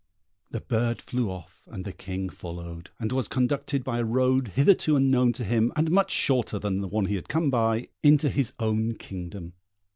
The bird flew off, and the King followed, and was conducted by a road hitherto unknown to him, and much shorter than the one he had come by, into his own kingdom.